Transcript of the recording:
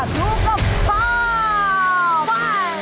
ลูกกับพ่อไป